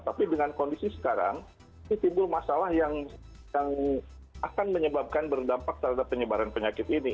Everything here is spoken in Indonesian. tapi dengan kondisi sekarang ini timbul masalah yang akan menyebabkan berdampak terhadap penyebaran penyakit ini